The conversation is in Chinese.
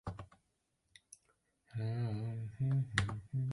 辐叶形软珊瑚为软珊瑚科叶形软珊瑚属下的一个种。